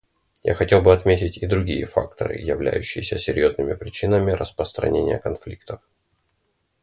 Я хотел бы отметить и другие факторы, являющиеся серьезными причинами распространения конфликтов.